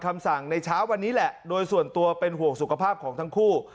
คำสั่งในเช้าวันนี้แหละโดยส่วนตัวเป็นห่วงสุขภาพของทั้งคู่